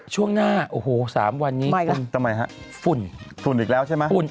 ช่วงหน้าโอ้โฮสามวันนี้ฝุ่นฝุ่นฝุ่นอีกแล้วใช่ไหม